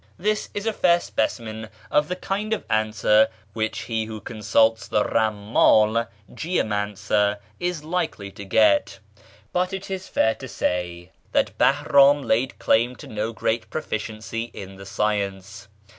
This is a fair specimen of the kind of answer which he who consults the rammdl (geomancer) is likely to get ; but it is fair to say that Bahram laid claim to no great proficiency in the science.